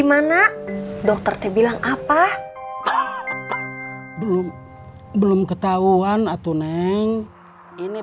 alhamdulillah terus hasilnya gimana dokter teh bilang apa belum belum ketahuan atau neng ini